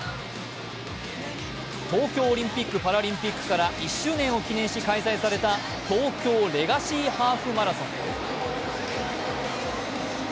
東京オリンピック・パラリンピックから１周年を記念し開催された東京レガシーハーフマラソン。